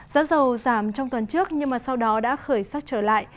giá dầu giảm trong tuần trước nhưng mà sau đó đã khởi sắc trở lại